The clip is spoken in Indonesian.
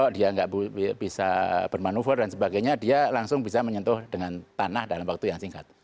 dia nggak bisa bermanuver dan sebagainya dia langsung bisa menyentuh dengan tanah dalam waktu yang singkat